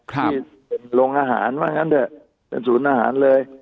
ที่เป็นโรงอาหารว่างั้นเถอะเป็นศูนย์อาหารเลย